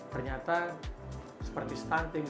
ternyata seperti stunting